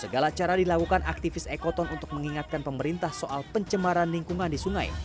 segala cara dilakukan aktivis ekoton untuk mengingatkan pemerintah soal pencemaran lingkungan di sungai